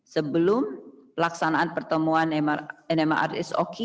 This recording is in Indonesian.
sebelum laksanaan pertemuan nmrs oki